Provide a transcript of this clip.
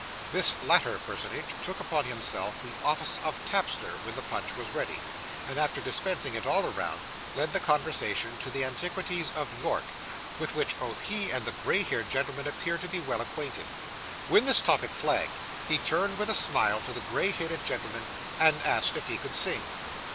This latter personage took upon himself the office of tapster when the punch was ready, and after dispensing it all round, led the conversation to the antiquities of York, with which both he and the grey haired gentleman appeared to be well acquainted. When this topic flagged, he turned with a smile to the grey headed gentleman, and asked if he could sing.